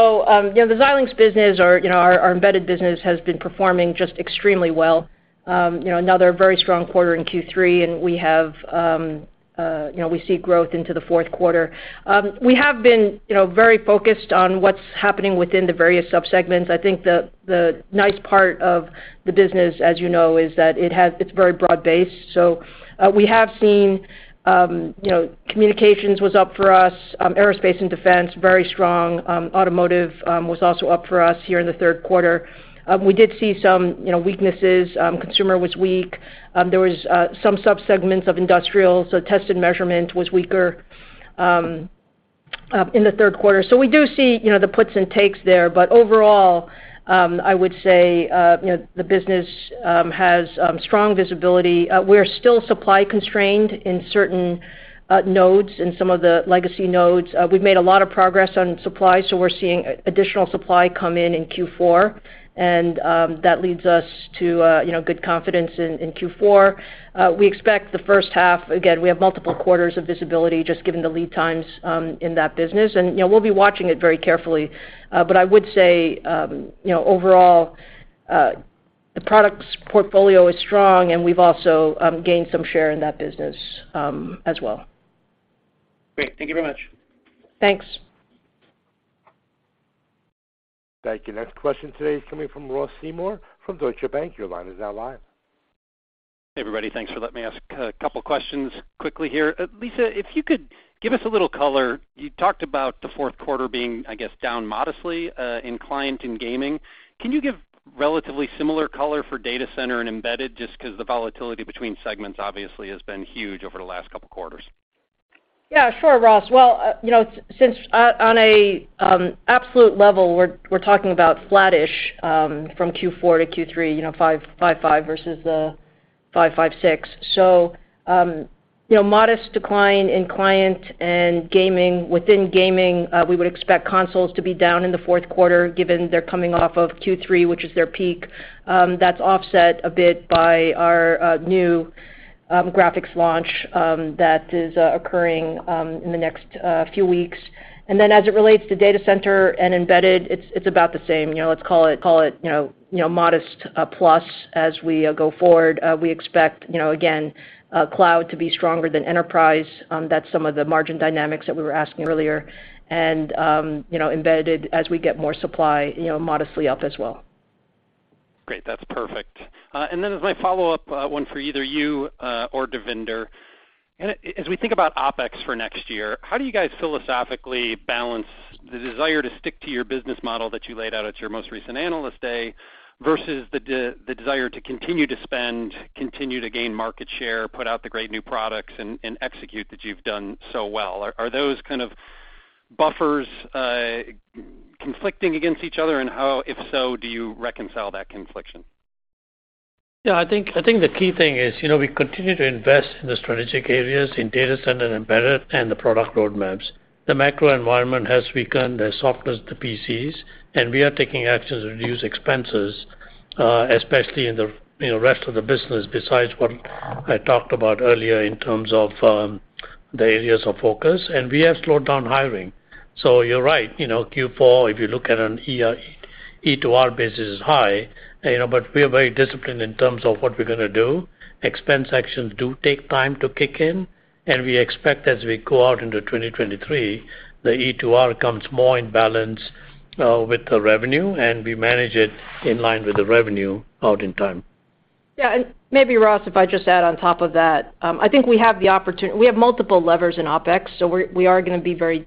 know, the Xilinx business or, you know, our embedded business has been performing just extremely well. You know, another very strong quarter in Q3, and we have, you know, we see growth into the fourth quarter. You know, very focused on what's happening within the various sub-segments. I think the nice part of the business, as you know, is that it's very broad-based. We have seen, you know, communications was up for us, aerospace and defense, very strong. Automotive was also up for us here in the third quarter. We did see some, you know, weaknesses. Consumer was weak. There was some sub-segments of industrial, so test and measurement was weaker in the third quarter. We do see, you know, the puts and takes there. Overall, I would say, you know, the business has strong visibility. We're still supply constrained in certain nodes, in some of the legacy nodes. We've made a lot of progress on supply, so we're seeing additional supply come in in Q4, and that leads us to, you know, good confidence in Q4. We have multiple quarters of visibility, just given the lead times, in that business. You know, we'll be watching it very carefully. I would say, you know, overall, the products portfolio is strong, and we've also gained some share in that business, as well. Great. Thank you very much. Thanks. Thank you. Next question today is coming from Ross Seymore from Deutsche Bank. Your line is now live. Hey, everybody. Thanks for letting me ask a couple questions quickly here. Lisa, if you could give us a little color. You talked about the fourth quarter being, I guess, down modestly in client and gaming. Can you give relatively similar color for data center and embedded, just 'cause the volatility between segments obviously has been huge over the last couple quarters? Yeah, sure, Ross. Well, you know, since on a absolute level, we're talking about flattish from Q4 to Q3, you know, $5.55 versus the $5.56. You know, modest decline in client and gaming. Within gaming, we would expect consoles to be down in the fourth quarter given they're coming off of Q3, which is their peak. That's offset a bit by our new graphics launch that is occurring in the next few weeks. Then as it relates to data center and embedded, it's about the same. You know, let's call it modest plus. As we go forward, we expect, you know, again, cloud to be stronger than enterprise, that's some of the margin dynamics that we were asking earlier. You know, embedded as we get more supply, you know, modestly up as well. Great. That's perfect. As my follow-up, one for either you, or Devinder. Kinda as we think about OpEx for next year, how do you guys philosophically balance the desire to stick to your business model that you laid out at your most recent Analyst Day versus the desire to continue to spend, continue to gain market share, put out the great new products and execute that you've done so well? Are those kind of buffers conflicting against each other? How, if so, do you reconcile that confliction? Yeah, I think the key thing is, you know, we continue to invest in the strategic areas in data center and embedded and the product roadmaps. The macro environment has weakened, the PCs softened, and we are taking actions to reduce expenses, especially in the, you know, rest of the business besides what I talked about earlier in terms of the areas of focus. We have slowed down hiring. You're right, you know, Q4, if you look at an E-to-R basis is high, you know, but we are very disciplined in terms of what we're gonna do. Expense actions do take time to kick in, and we expect as we go out into 2023, the E-to-R comes more in balance with the revenue, and we manage it in line with the revenue over time. Yeah. Maybe, Ross, if I just add on top of that. I think we have multiple levers in OpEx, so we are gonna be very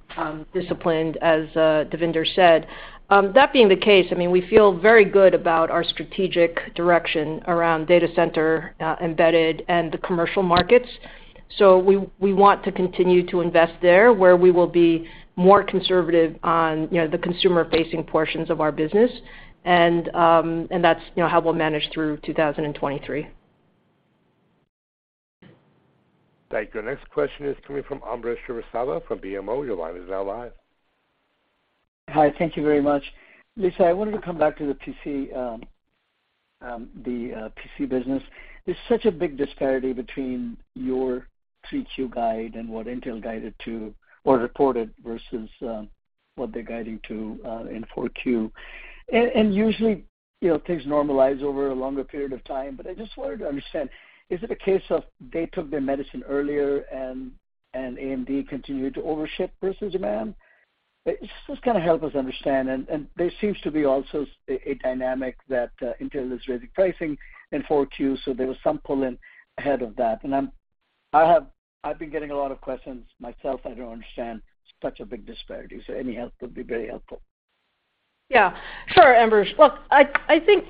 disciplined, as Devinder said. That being the case, I mean, we feel very good about our strategic direction around data center, embedded and the commercial markets. We want to continue to invest there, where we will be more conservative on, you know, the consumer-facing portions of our business. That's, you know, how we'll manage through 2023. Thank you. Our next question is coming from Ambrish Srivastava from BMO. Your line is now live. Hi, thank you very much. Lisa, I wanted to come back to the PC business. There's such a big disparity between your 3Q guide and what Intel guided to or reported versus what they're guiding to in 4Q. Usually, you know, things normalize over a longer period of time, but I just wanted to understand, is it a case of they took their medicine earlier and AMD continued to overship versus demand? Just kinda help us understand. There seems to be also a dynamic that Intel is raising pricing in 4Q, so there was some pull in ahead of that. I've been getting a lot of questions myself. I don't understand such a big disparity, so any help would be very helpful. Yeah, sure, Ambrish. Look, I think,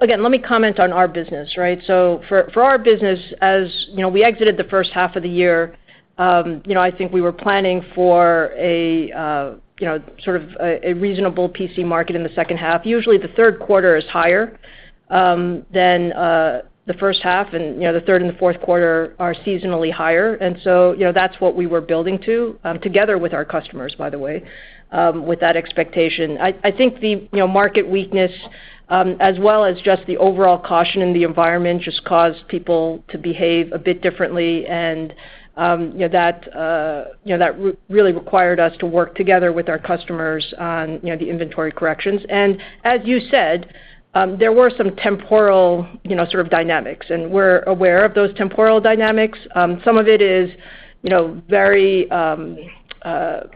again, let me comment on our business, right? For our business, as you know, we exited the first half of the year. You know, I think we were planning for a, you know, sort of a reasonable PC market in the second half. Usually, the third quarter is higher than the first half, and, you know, the third and the fourth quarter are seasonally higher. You know, that's what we were building to, together with our customers, by the way, with that expectation. I think the market weakness, as well as just the overall caution in the environment, just caused people to behave a bit differently. You know, that really required us to work together with our customers on, you know, the inventory corrections. As you said, there were some temporal, you know, sort of dynamics, and we're aware of those temporal dynamics. Some of it is, you know,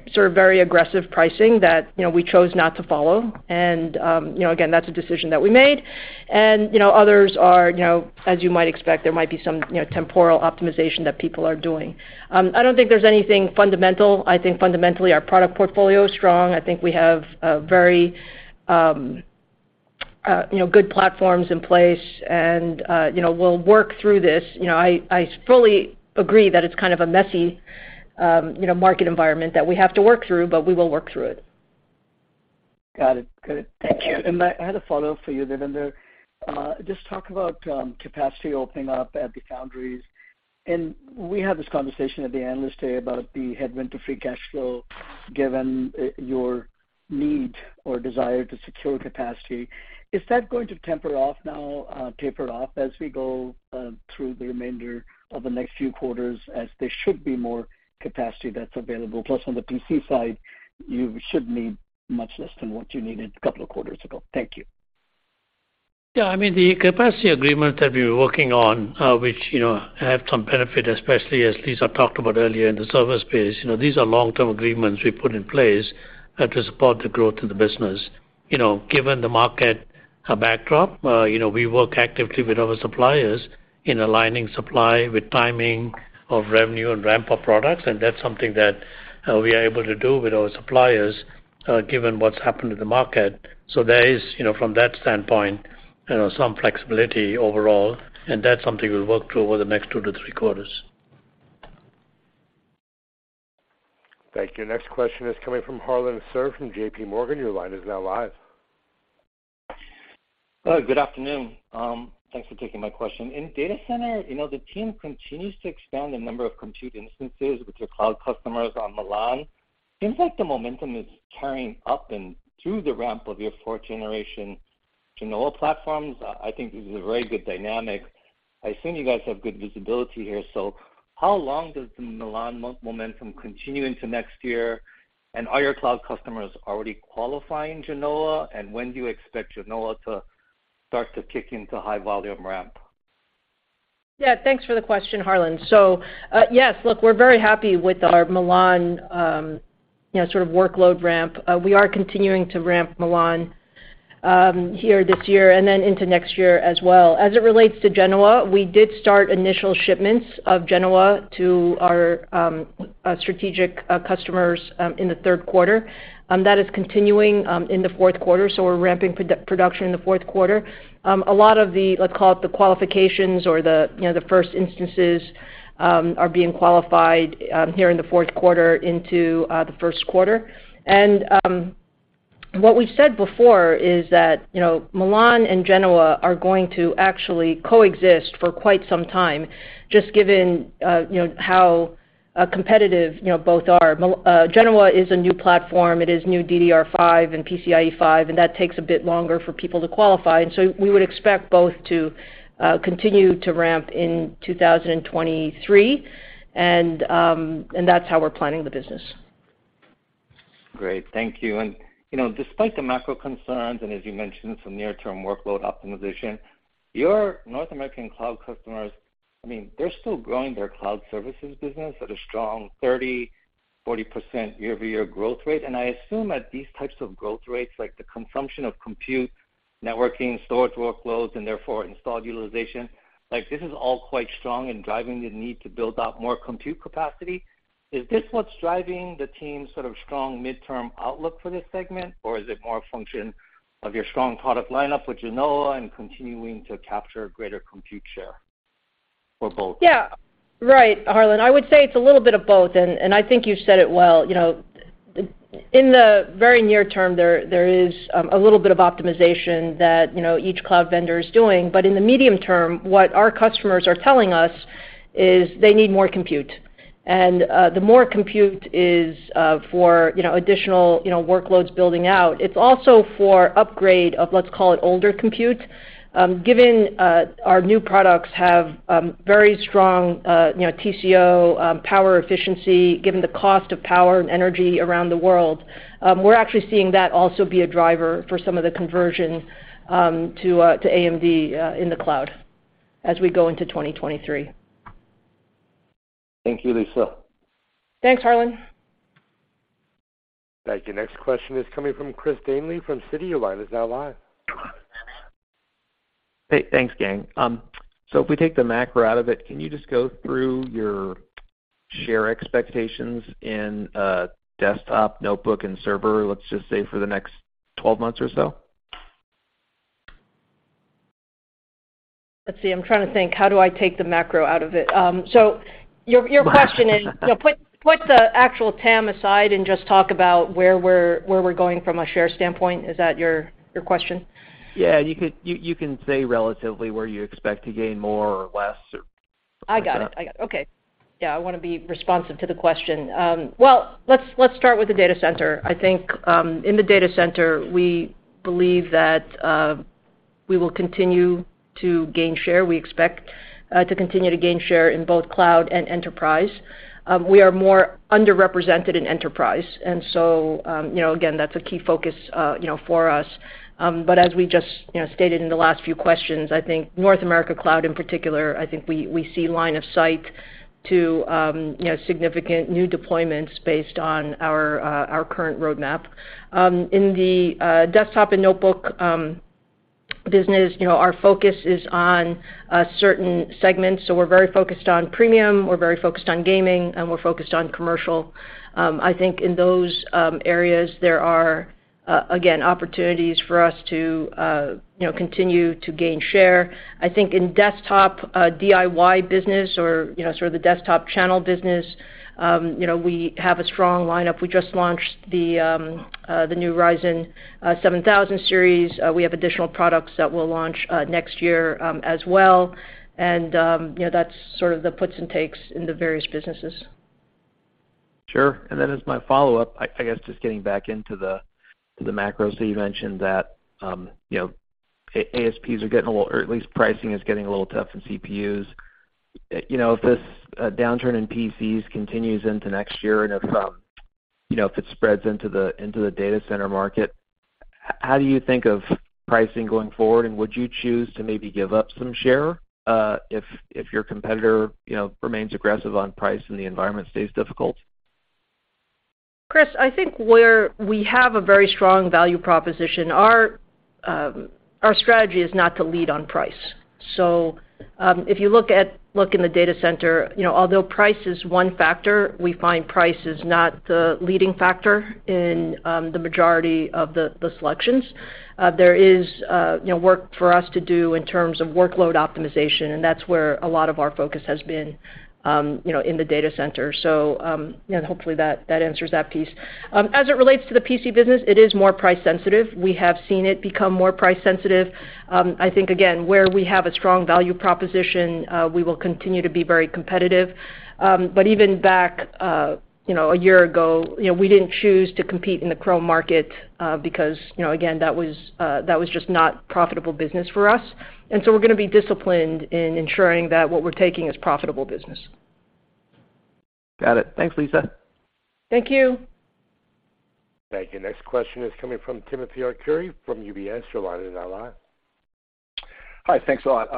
very sort of very aggressive pricing that, you know, we chose not to follow. You know, again, that's a decision that we made. You know, others are, you know, as you might expect, there might be some, you know, temporal optimization that people are doing. I don't think there's anything fundamental. I think fundamentally our product portfolio is strong. I think we have a very, you know, good platforms in place and, you know, we'll work through this. You know, I fully agree that it's kind of a messy, you know, market environment that we have to work through, but we will work through it. Got it. Good. Thank you. I had a follow-up for you, Devinder. Just talk about capacity opening up at the foundries. We had this conversation at the Analyst Day about the headwind to free cash flow, given your need or desire to secure capacity. Is that going to taper off now as we go through the remainder of the next few quarters as there should be more capacity that's available? Plus, on the PC side, you should need much less than what you needed a couple of quarters ago. Thank you. Yeah. I mean, the capacity agreement that we're working on, which, you know, have some benefit, especially as Lisa talked about earlier in the service space, you know, these are long-term agreements we put in place to support the growth of the business. You know, given the market backdrop, you know, we work actively with our suppliers in aligning supply with timing of revenue and ramp-up products, and that's something that we are able to do with our suppliers, given what's happened in the market. So there is, you know, from that standpoint, you know, some flexibility overall, and that's something we'll work through over the next 2-3 quarters. Thank you. Next question is coming from Harlan Sur from JPMorgan. Your line is now live. Good afternoon. Thanks for taking my question. In data center, you know, the team continues to expand the number of compute instances with your cloud customers on Milan. Seems like the momentum is carrying up and through the ramp of your fourth generation Genoa platforms. I think this is a very good dynamic. I assume you guys have good visibility here. How long does the Milan momentum continue into next year? And are your cloud customers already qualifying Genoa? And when do you expect Genoa to start to kick into high volume ramp? Yeah. Thanks for the question, Harlan. Yes. Look, we're very happy with our Milan, you know, sort of workload ramp. We are continuing to ramp Milan here this year and then into next year as well. As it relates to Genoa, we did start initial shipments of Genoa to our strategic customers in the third quarter. That is continuing in the fourth quarter, so we're ramping production in the fourth quarter. A lot of the, let's call it the qualifications or the, you know, the first instances, are being qualified here in the fourth quarter into the first quarter. What we've said before is that, you know, Milan and Genoa are going to actually coexist for quite some time, just given, you know, how competitive, you know, both are. Genoa is a new platform. It is new DDR5 and PCIe 5, and that takes a bit longer for people to qualify. We would expect both to continue to ramp in 2023, and that's how we're planning the business. Great. Thank you. You know, despite the macro concerns and as you mentioned, some near-term workload optimization, your North American cloud customers, I mean, they're still growing their cloud services business at a strong 30%-40% year-over-year growth rate. I assume at these types of growth rates, like the consumption of compute, networking, storage workloads, and therefore installed utilization, like this is all quite strong and driving the need to build out more compute capacity. Is this what's driving the team's sort of strong midterm outlook for this segment? Or is it more a function of your strong product lineup with Genoa and continuing to capture greater compute share or both? Yeah. Right, Harlan. I would say it's a little bit of both, and I think you said it well. You know, in the very near term, there is a little bit of optimization that, you know, each cloud vendor is doing. In the medium term, what our customers are telling us is they need more compute. The more compute is for, you know, additional, you know, workloads building out. It's also for upgrade of let's call it older compute. Given our new products have very strong, you know, TCO, power efficiency, given the cost of power and energy around the world, we're actually seeing that also be a driver for some of the conversion to AMD in the cloud as we go into 2023. Thank you, Lisa. Thanks, Harlan. Thank you. Next question is coming from Chris Danely from Citi. Your line is now live. Hey, thanks, gang. If we take the macro out of it, can you just go through your share expectations in desktop, notebook, and server, let's just say for the next 12 months or so? Let's see, I'm trying to think, how do I take the macro out of it? Your question is, put the actual TAM aside and just talk about where we're going from a share standpoint. Is that your question? Yeah. You can say relatively where you expect to gain more or less or something like that. I got it. Okay. Yeah, I wanna be responsive to the question. Well, let's start with the data center. I think in the data center, we believe that we will continue to gain share. We expect to continue to gain share in both cloud and enterprise. We are more underrepresented in enterprise. You know, again, that's a key focus for us. But as we just stated in the last few questions, I think North America Cloud in particular, I think we see line of sight to significant new deployments based on our current roadmap. In the desktop and notebook business, you know, our focus is on certain segments, so we're very focused on premium, we're very focused on gaming, and we're focused on commercial. I think in those areas, there are again opportunities for us to, you know, continue to gain share. I think in desktop DIY business or, you know, sort of the desktop channel business, you know, we have a strong lineup. We just launched the new Ryzen 7000 Series. We have additional products that we'll launch next year as well. You know, that's sort of the puts and takes in the various businesses. Sure. Then as my follow-up, I guess just getting back into the macros that you mentioned that, you know, ASPs are getting a little, or at least pricing is getting a little tough in CPUs. You know, if this downturn in PCs continues into next year and if, you know, if it spreads into the data center market, how do you think of pricing going forward? Would you choose to maybe give up some share, if your competitor, you know, remains aggressive on price and the environment stays difficult? Chris, I think where we have a very strong value proposition, our strategy is not to lead on price. If you look in the data center, you know, although price is one factor, we find price is not the leading factor in the majority of the selections. There is, you know, work for us to do in terms of workload optimization, and that's where a lot of our focus has been, you know, in the data center. You know, hopefully that answers that piece. As it relates to the PC business, it is more price sensitive. We have seen it become more price sensitive. I think, again, where we have a strong value proposition, we will continue to be very competitive. Even back a year ago, you know, we didn't choose to compete in the Chromebook market because, you know, again, that was just not profitable business for us. We're gonna be disciplined in ensuring that what we're taking is profitable business. Got it. Thanks, Lisa. Thank you. Thank you. Next question is coming from Timothy Arcuri from UBS. Your line is now live. Hi. Thanks a lot.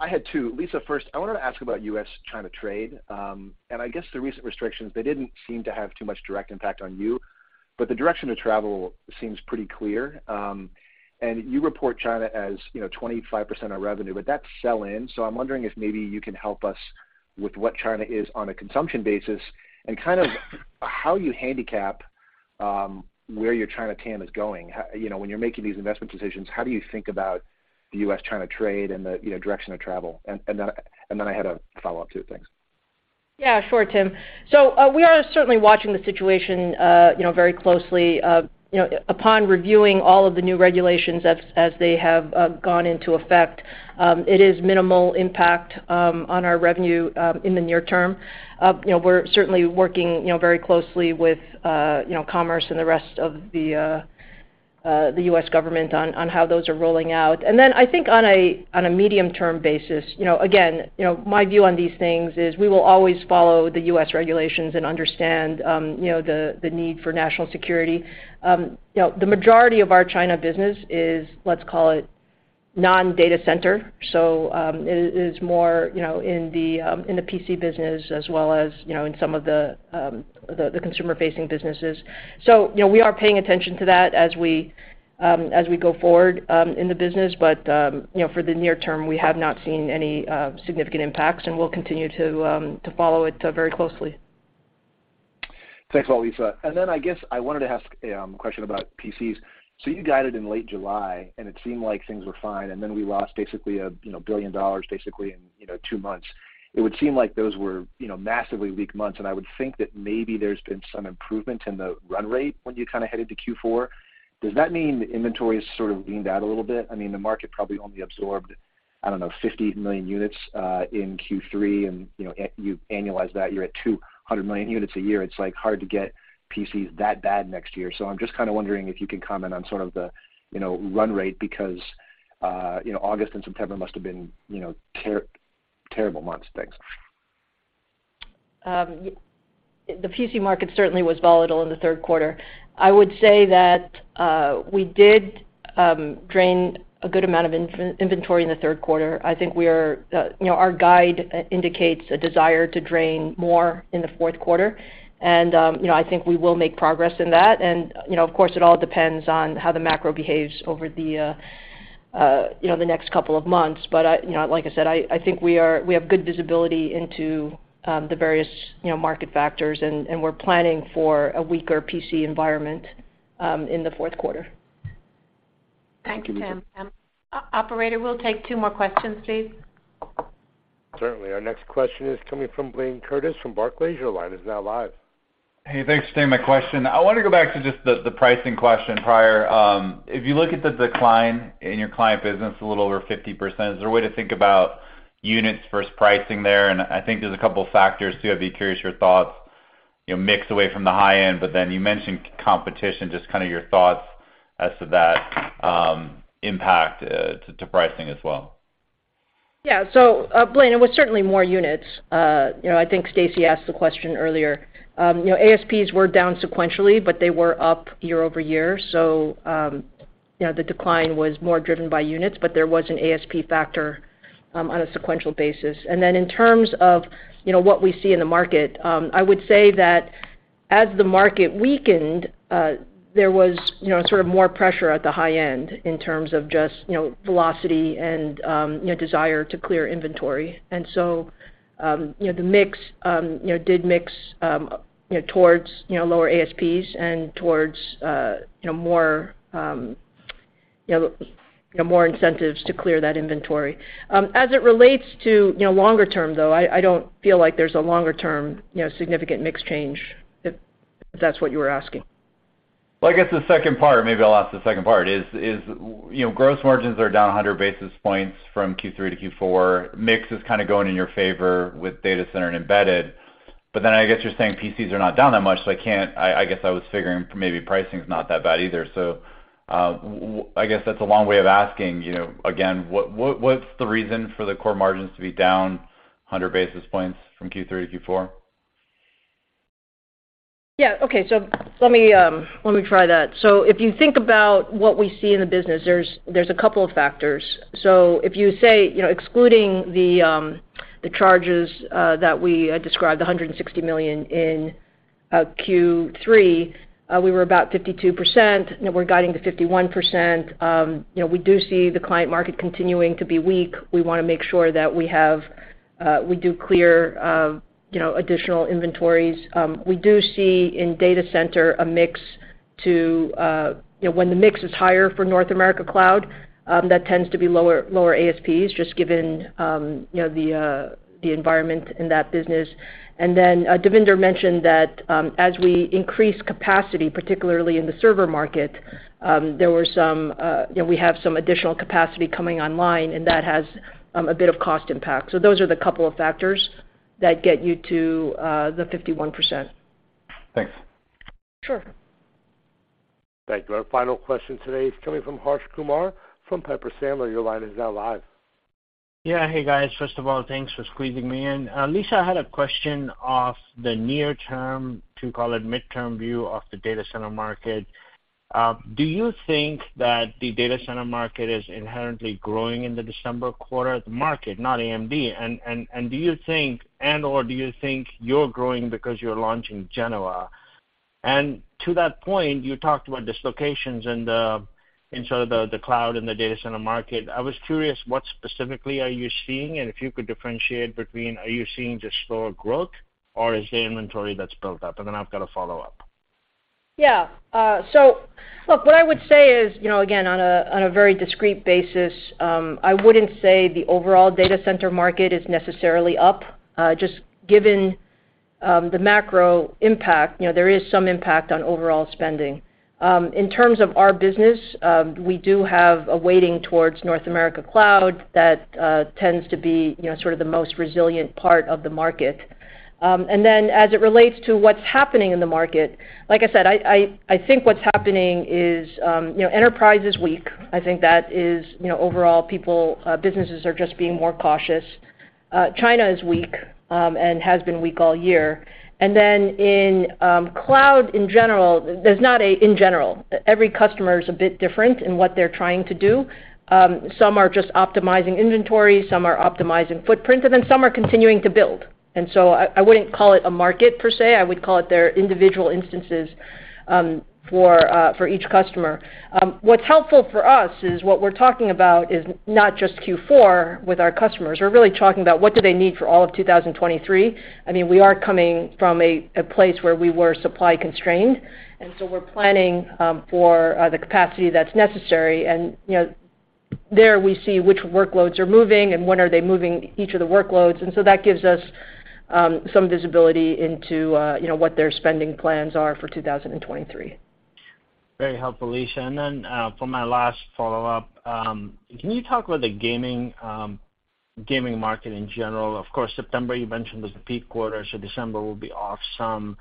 I had two. Lisa, first, I wanted to ask about U.S.-China trade. I guess the recent restrictions, they didn't seem to have too much direct impact on you, but the direction of travel seems pretty clear. You report China as, you know, 25% of revenue, but that's sell-in. I'm wondering if maybe you can help us with what China is on a consumption basis, and kind of how you handicap where your China TAM is going. You know, when you're making these investment decisions, how do you think about the U.S.-China trade and the, you know, direction of travel? And then I had a follow-up, too. Thanks. Yeah, sure, Tim. We are certainly watching the situation you know very closely. You know, upon reviewing all of the new regulations as they have gone into effect, it is minimal impact on our revenue in the near term. You know, we're certainly working you know very closely with you know Commerce and the rest of the U.S. government on how those are rolling out. I think on a medium-term basis, you know, again, my view on these things is we will always follow the U.S. regulations and understand you know the need for national security. You know, the majority of our China business is, let's call it, non-data center. It is more, you know, in the PC business as well as, you know, in some of the consumer-facing businesses. You know, we are paying attention to that as we go forward in the business. You know, for the near term, we have not seen any significant impacts, and we'll continue to follow it very closely. Thanks a lot, Lisa. I guess I wanted to ask a question about PCs. You guided in late July, and it seemed like things were fine, and then we lost basically $1 billion basically in two months. It would seem like those were massively weak months, and I would think that maybe there's been some improvement in the run rate when you kinda headed to Q4. Does that mean inventory is sort of leaned out a little bit? I mean, the market probably only absorbed, I don't know, 50 million units in Q3, and you annualize that, you're at 200 million units a year. It's like hard to get PCs that bad next year. I'm just kinda wondering if you can comment on sort of the, you know, run rate because, you know, August and September must have been, you know, terrible months. Thanks. The PC market certainly was volatile in the third quarter. I would say that we did drain a good amount of inventory in the third quarter. I think we are, you know, our guide indicates a desire to drain more in the fourth quarter. You know, I think we will make progress in that. You know, of course, it all depends on how the macro behaves over the next couple of months. You know, like I said, I think we have good visibility into the various, you know, market factors and we're planning for a weaker PC environment in the fourth quarter. Thank you, Tim. Operator, we'll take two more questions, please. Certainly. Our next question is coming from Blayne Curtis from Barclays. Your line is now live. Hey, thanks for taking my question. I wanna go back to just the pricing question prior. If you look at the decline in your client business, a little over 50%, is there a way to think about units versus pricing there? I think there's a couple factors too. I'd be curious your thoughts. You know, mix away from the high end, but then you mentioned competition. Just kinda your thoughts as to that impact to pricing as well. Yeah. Blaine, it was certainly more units. You know, I think Stacy asked the question earlier. You know, ASPs were down sequentially, but they were up year over year, so, you know, the decline was more driven by units, but there was an ASP factor, on a sequential basis. In terms of, you know, what we see in the market, I would say that as the market weakened, there was, you know, sort of more pressure at the high end in terms of just, you know, velocity and, you know, desire to clear inventory. You know, the mix towards, you know, lower ASPs and towards, you know, more, you know, more incentives to clear that inventory. As it relates to, you know, longer term though, I don't feel like there's a longer term, you know, significant mix change, if that's what you were asking. I guess the second part, maybe I'll ask the second part, is, you know, gross margins are down 100 basis points from Q3 to Q4. Mix is kinda going in your favor with data center and embedded. I guess you're saying PCs are not down that much, I guess I was figuring maybe pricing's not that bad either. I guess that's a long way of asking, you know, again, what's the reason for the core margins to be down 100 basis points from Q3 to Q4? Yeah. Okay. Let me try that. If you think about what we see in the business, there's a couple of factors. If you say, you know, excluding the charges that we described, the $160 million in Q3, we were about 52%. You know, we're guiding to 51%. You know, we do see the client market continuing to be weak. We wanna make sure we do clear, you know, additional inventories. We do see in data center a mix to, you know, when the mix is higher for North America cloud, that tends to be lower ASPs, just given, you know, the environment in that business. Devinder mentioned that, as we increase capacity, particularly in the server market, you know, we have some additional capacity coming online, and that has a bit of cost impact. Those are the couple of factors that get you to the 51%. Thanks. Sure. Thank you. Our final question today is coming from Harsh Kumar from Piper Sandler. Your line is now live. Yeah. Hey, guys. First of all, thanks for squeezing me in. Lisa, I had a question of the near term, to call it midterm view, of the data center market. Do you think that the data center market is inherently growing in the December quarter? The market, not AMD. Do you think, and/or do you think you're growing because you're launching Genoa? To that point, you talked about dislocations inside the cloud and the data center market. I was curious, what specifically are you seeing? If you could differentiate between are you seeing just slower growth or is there inventory that's built up? Then I've got a follow-up. Yeah. So look, what I would say is, you know, again, on a very discrete basis, I wouldn't say the overall data center market is necessarily up. Just given the macro impact, you know, there is some impact on overall spending. In terms of our business, we do have a weighting towards North American cloud that tends to be, you know, sort of the most resilient part of the market. Then as it relates to what is happening in the market, like I said, I think what is happening is, you know, enterprise is weak. I think that is, you know, overall, people, businesses are just being more cautious. China is weak and has been weak all year. Then in cloud in general, there is not in general. Every customer is a bit different in what they're trying to do. Some are just optimizing inventory, some are optimizing footprint, and then some are continuing to build. I wouldn't call it a market per se, I would call it there are individual instances for each customer. What's helpful for us is what we're talking about is not just Q4 with our customers. We're really talking about what do they need for all of 2023. I mean, we are coming from a place where we were supply constrained, and we're planning for the capacity that's necessary. You know, there we see which workloads are moving and when are they moving each of the workloads. That gives us some visibility into, you know, what their spending plans are for 2023. Very helpful, Lisa. For my last follow-up, can you talk about the gaming market in general? Of course, September you mentioned was the peak quarter, so December will be off some.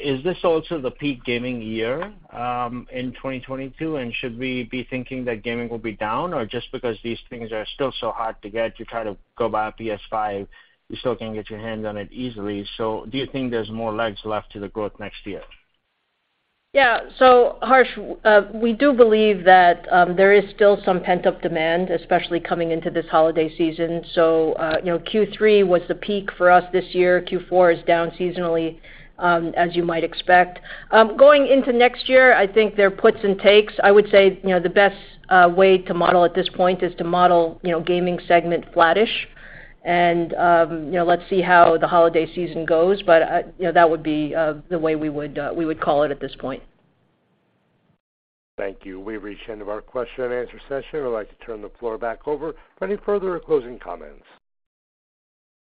Is this also the peak gaming year in 2022, and should we be thinking that gaming will be down? Just because these things are still so hard to get, you try to go buy a PS5, you still can't get your hands on it easily. Do you think there's more legs left to the growth next year? Yeah. Harsh, we do believe that there is still some pent-up demand, especially coming into this holiday season. You know, Q3 was the peak for us this year. Q4 is down seasonally, as you might expect. Going into next year, I think there are puts and takes. I would say, you know, the best way to model at this point is to model, you know, gaming segment flattish. You know, let's see how the holiday season goes. You know, that would be the way we would call it at this point. Thank you. We've reached the end of our question and answer session. I'd like to turn the floor back over for any further closing comments.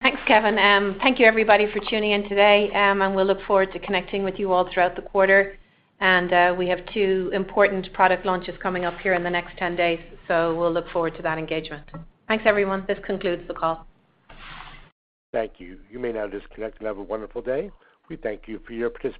Thanks, Kevin. Thank you everybody for tuning in today. We'll look forward to connecting with you all throughout the quarter. We have two important product launches coming up here in the next 10 days, so we'll look forward to that engagement. Thanks, everyone. This concludes the call. Thank you. You may now disconnect and have a wonderful day. We thank you for your participation.